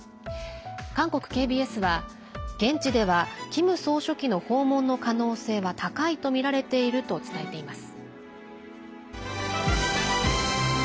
韓国ＫＢＳは、現地ではキム総書記の訪問の可能性は高いとみられていると伝えています。